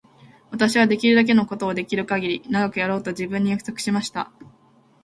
私はできるだけのことをできるかぎり長くやろうと自分に約束しました。